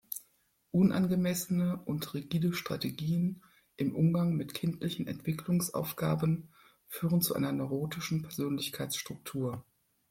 Unangemessene und rigide Strategien im Umgang mit kindlichen Entwicklungsaufgaben führen zu einer neurotischen Persönlichkeitsstruktur.